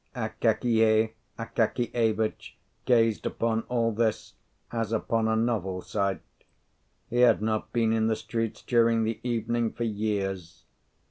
Akakiy Akakievitch gazed upon all this as upon a novel sight. He had not been in the streets during the evening for years.